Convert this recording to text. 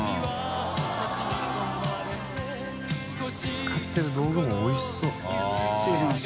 使ってる道具もおいしそう失礼します。